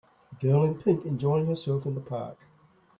A girl in pink enjoying herself in the park.